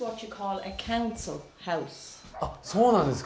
あっそうなんですか。